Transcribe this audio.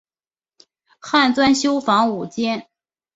汉纂修房五间。